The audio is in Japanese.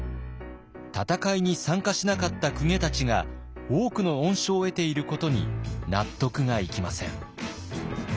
戦いに参加しなかった公家たちが多くの恩賞を得ていることに納得がいきません。